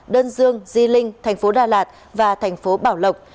đơn dương di linh thành phố đà lạt và thành phố bảo lộc